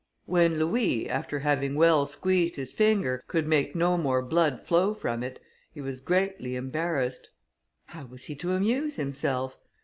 When Louis, after having well squeezed his finger, could make no more blood flow from it, he was greatly embarrassed. How was he to amuse himself?